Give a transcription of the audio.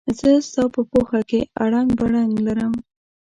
زه ستا په پوهه کې اړنګ بړنګ لرم.